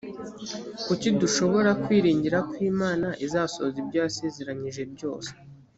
kuki dushobora kwiringira ko imana izasohoza ibyo yasezeranyije byose